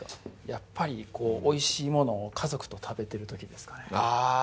やっぱりこうおいしいものを家族と食べてる時ですかねあぁ！